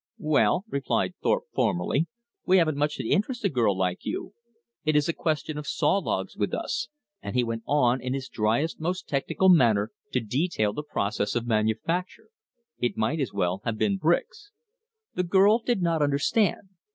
"Well " replied Thorpe formally, "we haven't much to interest a girl like you. It is a question of saw logs with us" and he went on in his dryest, most technical manner to detail the process of manufacture. It might as well have been bricks. The girl did not understand.